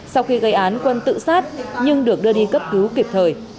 sau khi gây án quân tự sát nhưng được đưa đi cấp cứu kịp thời